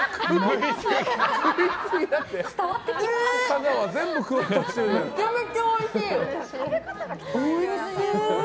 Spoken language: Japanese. めちゃめちゃおいしい！